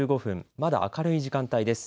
まだ明るい時間帯です。